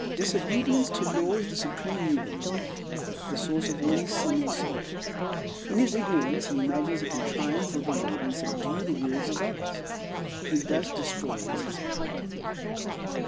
Disobedience to law is the supreme evil in man, the source of all his sin and sorrow. In his ignorance he imagines he can triumph over law and subdue the wills of others. He thus destroys his power.